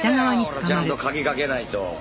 ほらちゃんと鍵かけないと。